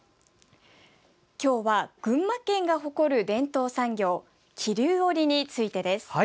今日は群馬県が誇る伝統産業桐生織についてです。